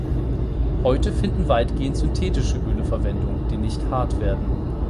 Heute finden weitgehend synthetische Öle Verwendung, die nicht hart werden.